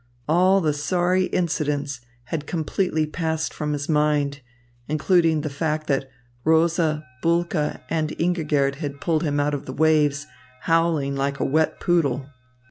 All the sorry incidents had completely passed from his mind, including the fact that Rosa, Bulke and Ingigerd had pulled him out of the waves howling like a wet poodle.